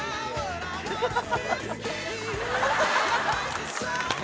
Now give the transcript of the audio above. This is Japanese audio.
「ハハハハ！」